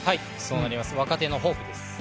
若手のホープです。